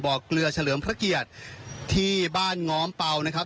เกลือเฉลิมพระเกียรติที่บ้านง้อมเป่านะครับ